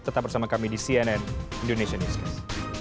tetap bersama kami di cnn indonesia newscast